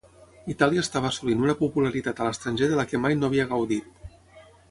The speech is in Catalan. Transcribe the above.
Itàlia estava assolint una popularitat a l'estranger de la que mai no havia gaudit.